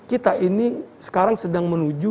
kita ini sekarang sedang menuju